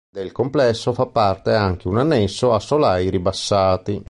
Del complesso fa parte anche un annesso a solai ribassati.